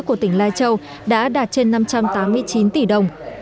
của tỉnh lai châu đã đạt trên năm trăm tám mươi chín tỷ đồng